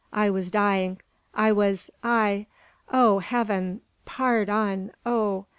I was dying. I was I Oh, Heaven! pard on. Oh